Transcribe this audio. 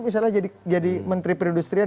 misalnya jadi menteri perindustrian